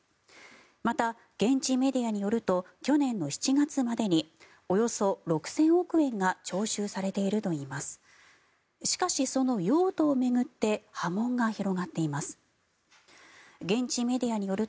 また、現地メディアによると去年の７月までにおよそ６０００億円が徴収されているといいます。